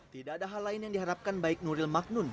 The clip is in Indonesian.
tidak ada hal lain yang diharapkan baik nuril magnun